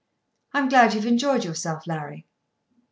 "I'm glad you've enjoyed yourself, Larry."